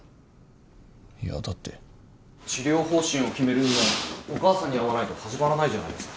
いやだって治療方針を決めるにはお母さんに会わないと始まらないじゃないですか。